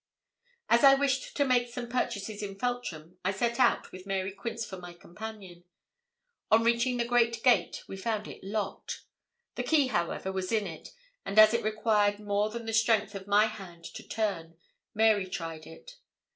As I wished to make some purchases in Feltram, I set out, with Mary Quince for my companion. On reaching the great gate we found it locked. The key, however, was in it, and as it required more than the strength of my hand to turn, Mary tried it.